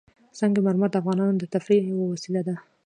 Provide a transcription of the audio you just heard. سنگ مرمر د افغانانو د تفریح یوه وسیله ده.